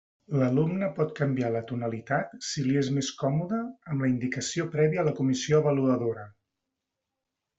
L'alumne pot canviar la tonalitat, si li és més còmode, amb la indicació prèvia a la comissió avaluadora.